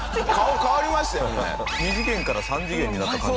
２次元から３次元になった感じ。